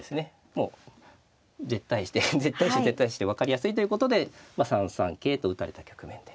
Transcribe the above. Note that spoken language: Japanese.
もう絶対手絶対手で分かりやすいということで３三桂と打たれた局面で。